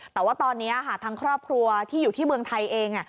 แต่ว่าตอนนี้ทางครอบครัวที่อยู่ที่เมืองไทยเอง